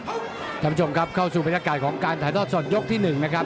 คุณผู้ชมครับเข้าสู่บรรยากาศของการถ่ายทอดสดยกที่๑นะครับ